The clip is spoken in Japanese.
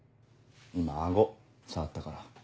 今顎触ったから。